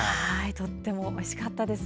とてもおいしかったです。